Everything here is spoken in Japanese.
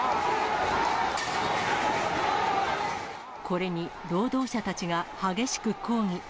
これに労働者たちが激しく抗議。